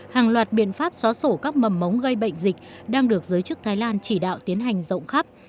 hàng loạt biện pháp xóa sổ các mầm mống gây bệnh dịch đang được giới chức thái lan chỉ đạo tiến hành rộng khắp